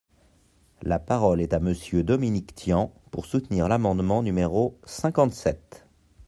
La parole est à Monsieur Dominique Tian, pour soutenir l’amendement numéro cinquante-sept.